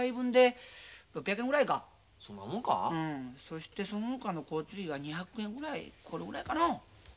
そしてそのほかの交通費が２００円ぐらいこのぐらいかの。